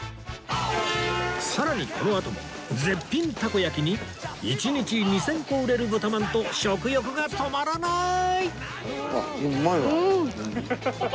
さらにこのあとも絶品たこ焼きに１日２０００個売れる豚まんと食欲が止まらない！